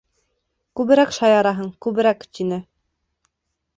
Күберәк шаяраһың, күберәк, -тине.